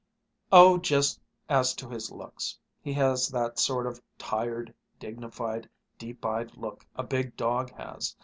"Oh, just as to his looks. He has that sort of tired, dignified, deep eyed look a big dog has.